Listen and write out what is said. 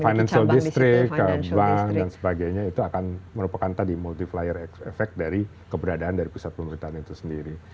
financial district ke bank dan sebagainya itu akan merupakan tadi multiplier efek dari keberadaan dari pusat pemerintahan itu sendiri